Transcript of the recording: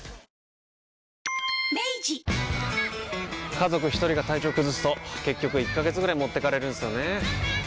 家族一人が体調崩すと結局１ヶ月ぐらい持ってかれるんすよねー。